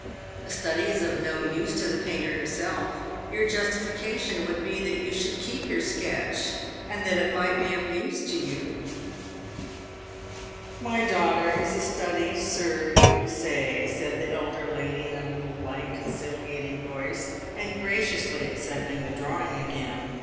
"A study is of use to the painter himself. Your justification would be that you should keep your sketch, and that it might be of use to you." "My daughter is a study, sir, you will say," said the elder lady in a little, light, conciliating voice, and graciously accepting the drawing again.